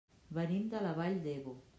Venim de la Vall d'Ebo.